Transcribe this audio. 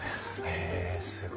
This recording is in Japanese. へえすごい。